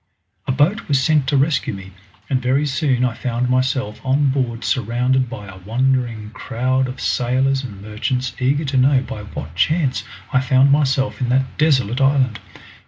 A boat was sent to rescue me, and very soon I found myself on board surrounded by a wondering crowd of sailors and merchants eager to know by what chance I found myself in that desolate island.